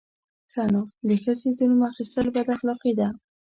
_ښه نو، د ښځې د نوم اخيستل بد اخلاقي ده!